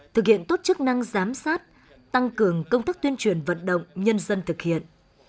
thực hiện tốt chức năng giám sát tăng cường công tác tuyên truyền vận động nhân dân thực hiện